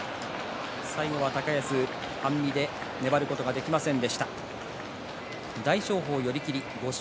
最後は高安、半身で粘ることができませんでした。